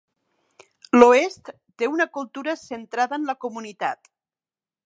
L'oest té una cultura centrada en la comunitat.